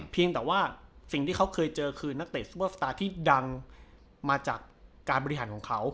แต่ว่าสิ่งที่เขาเคยเจอคือนักเตะซุปเปอร์สตาร์ที่ดังมาจากการบริหารของเขา